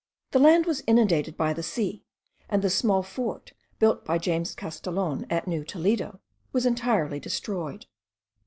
The land was inundated by the sea, and the small fort, built by James Castellon at New Toledo,* was entirely destroyed.